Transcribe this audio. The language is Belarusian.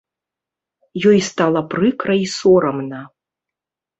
Ёй стала прыкра і сорамна.